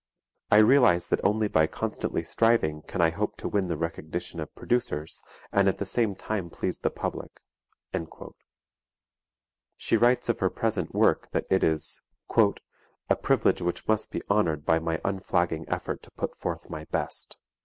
I realize that only by constantly striving can I hope to win the recognition of producers and at the same time please the public." She writes of her present work that it is "a privilege which must be honored by my unflagging effort to put forth my best."